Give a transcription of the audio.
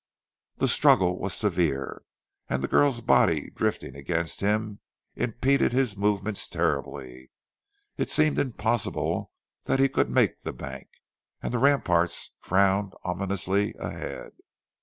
The struggle was severe, and the girl's body drifting against him impeded his movements terribly. It seemed impossible that he could make the bank, and the ramparts frowned ominously ahead.